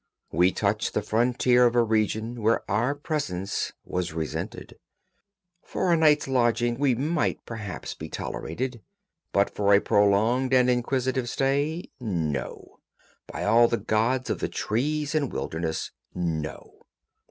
We touched the frontier of a region where our presence was resented. For a night's lodging we might perhaps be tolerated; but for a prolonged and inquisitive stay—No! by all the gods of the trees and wilderness, no!